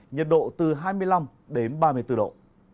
nhiệt độ từ hai mươi năm đến ba mươi bốn độ